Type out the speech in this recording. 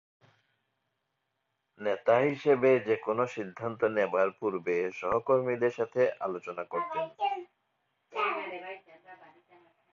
নেতা হিসেবে যে কোন সিদ্ধান্ত নেবার পূর্বে সহকর্মীদের সাথে আলোচনা করতেন।